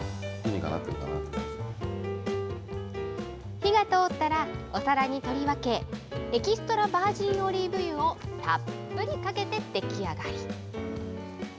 火が通ったら、お皿に取り分け、エキストラバージンオリーブ油をたっぷりかけて出来上がり。